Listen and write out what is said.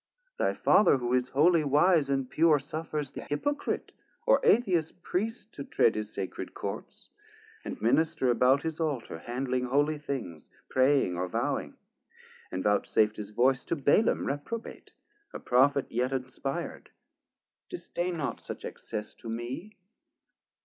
Thy Father, who is holy, wise and pure, Suffers the Hypocrite or Atheous Priest To tread his Sacred Courts, and minister About his Altar, handling holy things, Praying or vowing, and vouchsaf'd his voice 490 To Balaam reprobate, a Prophet yet Inspir'd; disdain not such access to me.